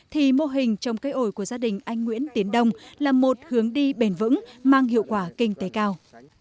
thì mô hình trồng cây ổi của gia đình anh nguyễn tiến đông là một hướng đi bền vững mang hiệu quả kinh tế cao